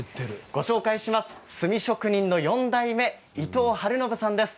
ご紹介します墨職人の４代目伊藤晴信さんです。